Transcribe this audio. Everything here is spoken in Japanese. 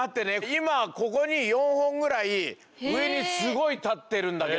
今ここに４本ぐらい上にすごい立ってるんだけど。